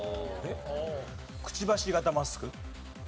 くちばし型マスク。